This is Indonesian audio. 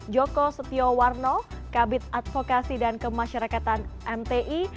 joko setiowarno kabit advokasi dan kemasyarakatan mti